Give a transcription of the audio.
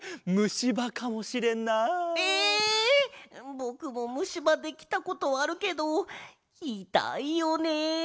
ぼくもむしばできたことあるけどいたいよね。